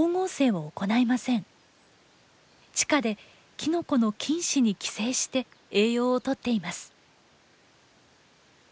地下でキノコの菌糸に寄生して栄養をとっています。